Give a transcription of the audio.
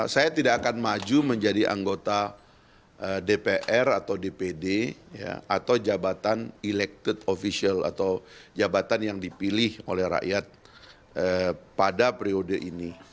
saya tidak akan maju menjadi anggota dpr atau dpd atau jabatan elected official atau jabatan yang dipilih oleh rakyat pada periode ini